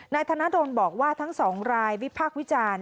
ธนดลบอกว่าทั้งสองรายวิพากษ์วิจารณ์